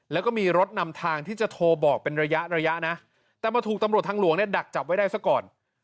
แล้วก็มีรถนำทางที่จะโทรบอกเป็นระยะระยะนะแต่มาถูกตำรวจทางหลวงเนี่ยดักจับไว้ได้ซะก่อน